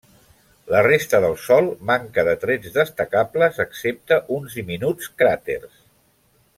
La resta del sòl manca de trets destacables, excepte uns diminuts cràters.